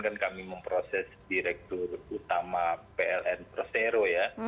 kan kami memproses direktur utama pln persero ya